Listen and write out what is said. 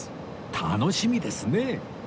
楽しみですね